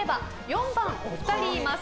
４番、お二人います。